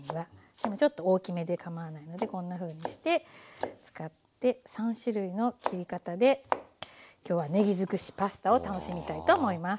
でもちょっと大きめでかまわないのでこんなふうにして使って３種類の切り方で今日はねぎづくしパスタを楽しみたいと思います。